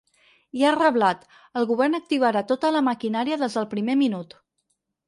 I ha reblat: El govern activarà tota la maquinària des del primer minut.